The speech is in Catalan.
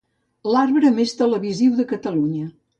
L'arbre més televisiu de Catalunya.